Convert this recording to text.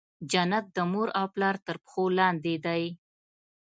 جنت د مور او پلار تر پښو لاندي دی.